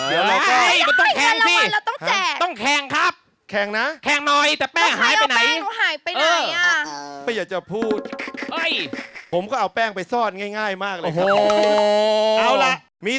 หมายถึงราวราวราวราต้องแข่งครับ